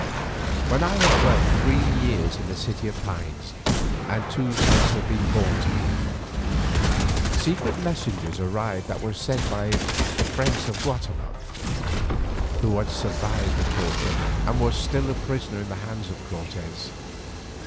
When I had dwelt three years in the City of Pines and two sons had been born to me there, secret messengers arrived that were sent by the friends of Guatemoc, who had survived the torture and was still a prisoner in the hands of Cortes.